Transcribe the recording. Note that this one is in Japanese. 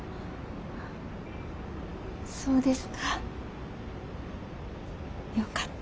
そうですか。